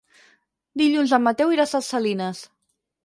Dilluns en Mateu irà a Ses Salines.